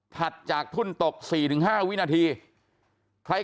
ถัดจากทุ่นตก๔๕วินาทีใคร